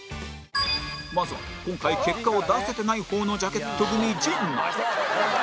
まずは今回結果を出せてない方のジャケット組陣内